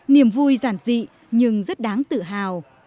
niềm vui giản dị nhưng rất đáng tự hào